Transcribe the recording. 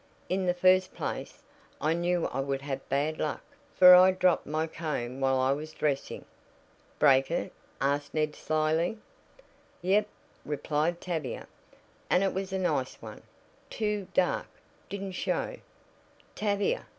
In the first place, I knew I would have bad luck, for I dropped my comb while I was dressing." "Break it?" asked Ned slyly. "Yep," replied Tavia; "and it was a nice one, too dark, didn't show " "Tavia!"